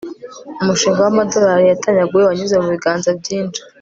umushinga w'amadolari yatanyaguwe wanyuze mu biganza byinshi